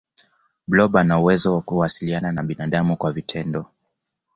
blob anawezo kuwasiliana na binadamu kwa vitendo